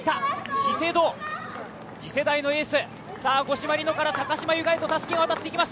資生堂、次世代のエース、五島莉乃から高島由香へとたすきが渡っていきます。